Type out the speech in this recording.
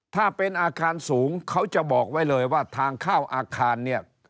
ถ้าเป็นอาคารสูงเขาจะบอกไว้เลยว่าทางเข้าอาคารเนี่ย